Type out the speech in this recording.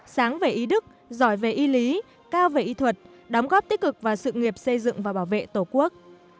sáng về ý đức giỏi về y lý cao về y thuật đóng góp tích cực vào sự nghiệp xây dựng và bảo vệ tổ quốc